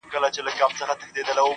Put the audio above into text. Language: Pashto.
سبا چي راسي د سبــا له دره ولــوېږي~